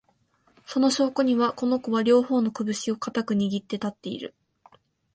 その証拠には、この子は、両方のこぶしを固く握って立っている